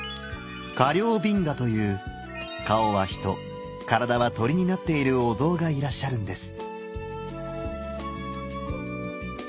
「陵頻伽」という顔は人体は鳥になっているお像がいらっしゃるんです。